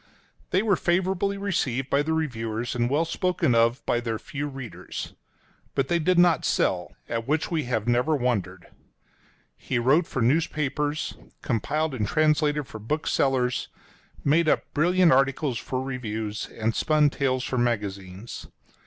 They were favorably received by the reviewers, and well spoken of by their few readers. But they did not sell — at which we have never wondered. He wrote for newspapers, compiled and translated for booksellers, made up brilliant articles for reviews, and spun tales for magazines.